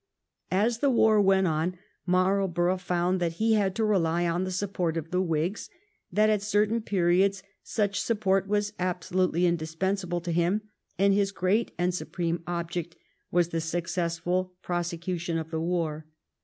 As the war went on Marlborough found that he had to rely on the support of the Whigs, that at certain periods such support was absolutely indispensable to him, and his great and supreme ob ject was the successful prosecution of the war.